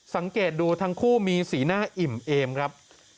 สังเกตดูทั้งคู่มีสีหน้าอิ่มเอมครับ